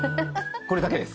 これだけです。